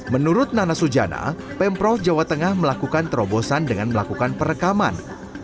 menurut nana sujana pemprov jawa tengah melakukan terobosan dengan melakukan perekaman